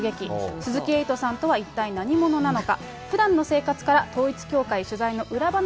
鈴木エイトさんとは一体何者なのか。